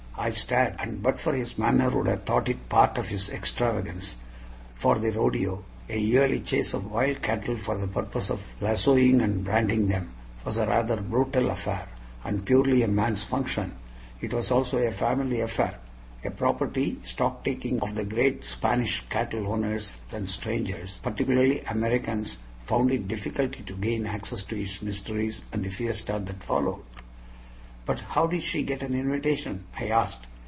I stared, and but for his manner would have thought it part of his extravagance. For the rodeo a yearly chase of wild cattle for the purpose of lassoing and branding them was a rather brutal affair, and purely a man's function; it was also a family affair a property stock taking of the great Spanish cattle owners and strangers, particularly Americans, found it difficult to gain access to its mysteries and the fiesta that followed. "But how did she get an invitation?" I asked.